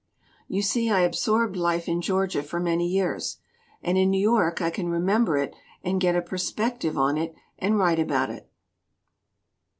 "You see, I absorbed life in Georgia for many years. And in New York I can remember it and get a perspective on it and write about it."